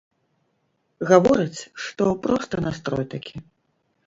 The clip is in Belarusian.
Гаворыць, што проста настрой такі.